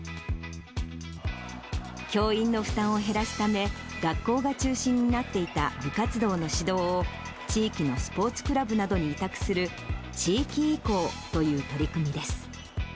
教員の負担を減らすため、学校が中心になっていた部活動の指導を、地域のスポーツクラブなどに委託する、地域移行という取り組みです。